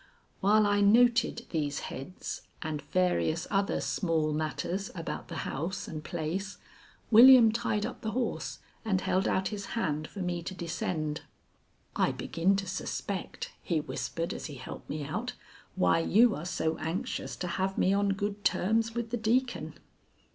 While I noted these heads and various other small matters about the house and place, William tied up the horse and held out his hand for me to descend. "I begin to suspect," he whispered as he helped me out, "why you are so anxious to have me on good terms with the Deacon."